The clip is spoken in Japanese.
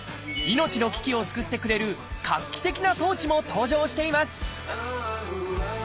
命の危機を救ってくれる画期的な装置も登場しています